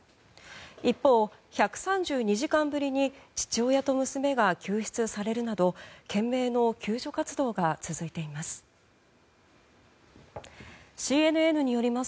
一方、１３２時間ぶりに父親と娘が救出されるなど懸命の救助活動が続いています。